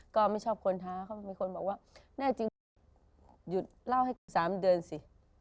ก็ไม่ชอบคนท้าเขามีคนบอกว่าแน่จริงหยุดเล่าให้กู๓เดือนสิ